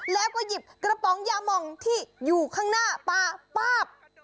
แล้วก็หยิบกระป๋องยามองที่อยู่ข้างหน้าปลาป๊าบ